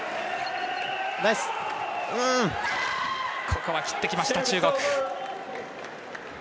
ここは切ってきました中国。